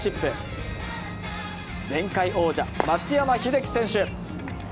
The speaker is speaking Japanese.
前回王者、松山英樹選手。